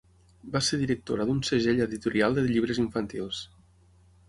Va ser directora d'un segell editorial de llibres infantils.